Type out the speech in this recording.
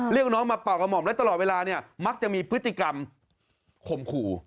เรียกน้องมาเป่ากระหม่อมและตลอดเวลาเนี่ยมักจะมีพฤติกรรมข่มขู่